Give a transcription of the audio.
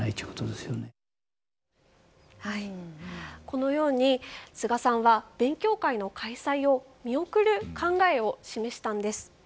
このように菅さんは勉強会の開催を見送る考えを示したんです。